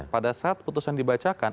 pada saat putusan dibacakan